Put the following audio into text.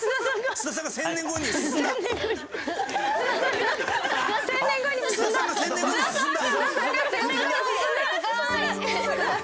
津田さんが１０００年後に進んだ！